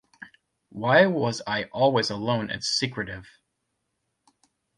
Why was I always alone and secretive?